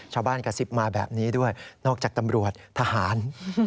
กระซิบมาแบบนี้ด้วยนอกจากตำรวจทหาร